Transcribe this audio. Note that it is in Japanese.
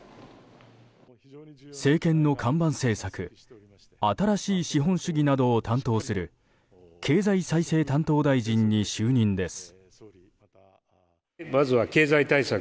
政権の看板政策新しい資本主義などを担当する経済再生担当大臣に就任です。